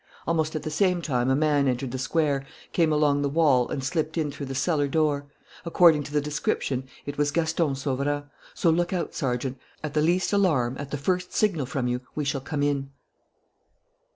Almost at the same time a man entered the square, came along the wall, and slipped in through the cellar door. According to the description it was Gaston Sauverand. So look out, Sergeant. At the least alarm, at the first signal from you, we shall come in."